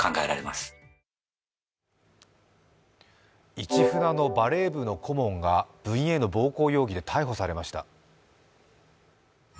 市船のバレー部の顧問が部員への暴行容疑で逮捕されました。